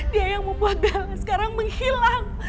dia yang membuat daun sekarang menghilang